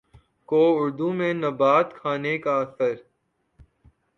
کو اردو میں نبات خانے کا اثر